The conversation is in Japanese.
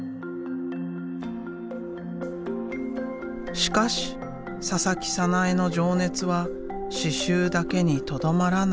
しかし佐々木早苗の情熱は刺繍だけにとどまらない。